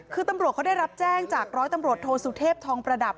คือตำรวจเขาได้รับแจ้งจากร้อยตำรวจโทสุเทพทองประดับ